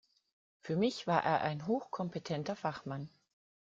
Für mich war er ein hochkompetenter Fachmann.